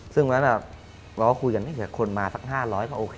ซึ่งวันนั้นแหละเราคุยกันให้เฉียบคนมาสัก๕๐๐ก็โอเคแล้ว